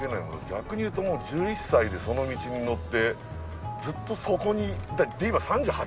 逆に言うと１１歳でその道にのってずっとそこに。